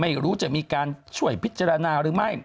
ไม่รู้จะมีการช่วยพิจารณาหรือไม่